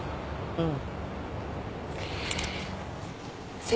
うん。